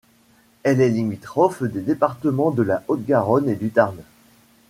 Elle est limitrophe des départements de la Haute-Garonne et du Tarn.